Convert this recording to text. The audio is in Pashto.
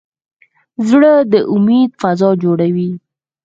زړه د امید فضا جوړوي.